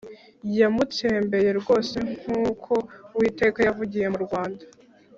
yamutsembeye rwose nk uko Uwiteka yavugiye mu rwanda